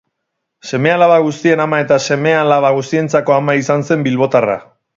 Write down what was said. Seme-alaba guztien ama eta sema-alaba guztientzako ama izan zen bilbotarra.